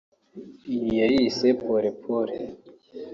Iyi yayise ‘Pole Pole’